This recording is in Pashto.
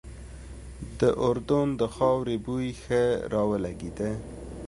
د اردن د خاورې بوی ښه را ولګېده.